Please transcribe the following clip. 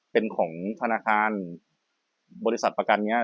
เป็นของธนาคารบริษัทประกันเนี่ย